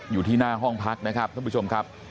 อยู่ที่หน้าห้องพักนะครับ